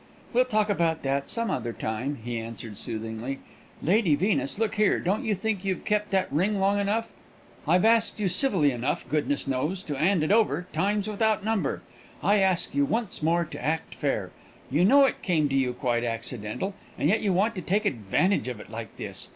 "We'll talk about that some other time," he answered, soothingly. "Lady Venus, look here, don't you think you've kept that ring long enough? I've asked you civilly enough, goodness knows, to 'and it over, times without number. I ask you once more to act fair. You know it came to you quite accidental, and yet you want to take advantage of it like this.